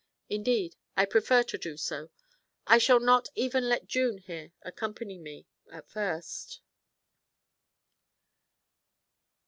Indeed I prefer to do so. I shall not even let June here accompany me at first.'